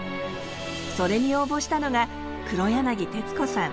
それに応募したのが黒柳徹子さん。